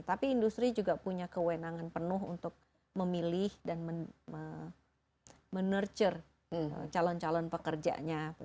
tapi industri juga punya kewenangan penuh untuk memilih dan menurture calon calon pekerjanya